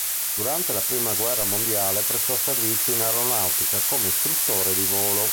Durante la Prima guerra mondiale prestò servizio in aeronautica come istruttore di volo.